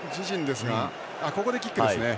ここでキックですね。